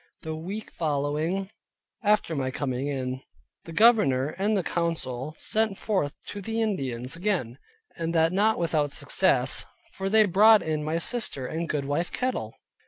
The week following, after my coming in, the governor and council sent forth to the Indians again; and that not without success; for they brought in my sister, and goodwife Kettle.